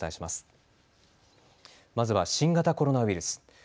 まずは新型コロナウイルス。